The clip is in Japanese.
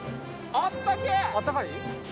あったかい？